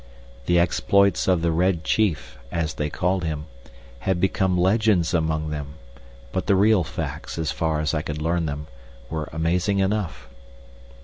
The exploits of the Red Chief, as they called him, had become legends among them, but the real facts, as far as I could learn them, were amazing enough.